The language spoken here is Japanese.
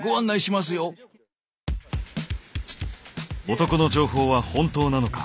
男の情報は本当なのか？